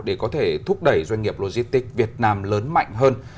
để có thể thúc đẩy doanh nghiệp logistics việt nam lớn mạnh hơn